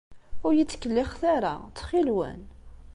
Ur iyi-ttkellixet ara, ttxil-wen.